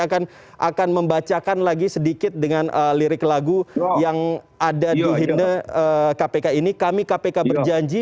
akan akan membacakan lagi sedikit dengan lirik lagu yang ada di hinde kpk ini kami kpk berjanji